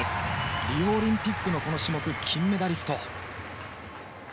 リオオリンピックのこの種目の金メダリスト。